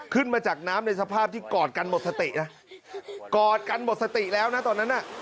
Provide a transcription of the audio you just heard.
ขึ้นมาจากน้ำในสภาพที่กอดกันหมดสตินะกอดกันหมดสติแล้วนะตอนนั้นน่ะ